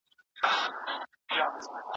خدای پاک زموږ په زړونو کي مینه پیدا کوي.